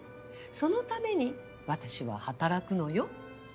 そのために私は働くのよ。